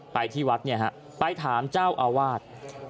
ไปที่วัดไปถามเจ้าอาวาท